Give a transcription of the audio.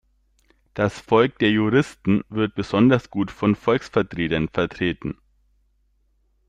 Das Volk der Juristen wird besonders gut von Volksvertretern vertreten.